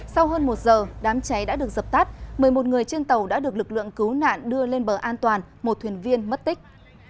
sau hơn một giờ đám cháy đã được dập tắt một mươi một người trên tàu đã được lực lượng cứu nạn đưa lên bờ an toàn một thuyền viên mất tích